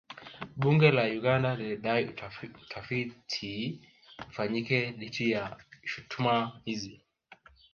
Bunge la Uganda lilidai utafiti ufanyike dhidi ya shutuma hizi